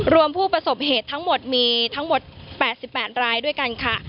ผู้ประสบเหตุทั้งหมดมีทั้งหมด๘๘รายด้วยกันค่ะ